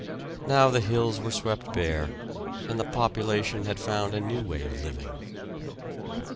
Now the hills were swept bare, and the population had found a new way of living.